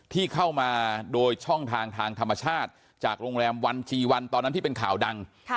ที่เข้ามาโดยช่องทางทางธรรมชาติจากโรงแรมวันชีวันตอนนั้นที่เป็นข่าวดัง